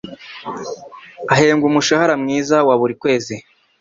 Ahembwa umushahara mwiza wa buri kwezi.